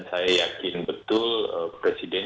saya yakin betul presiden